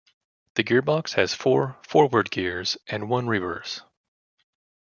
The gearbox has four forward gears and one reverse.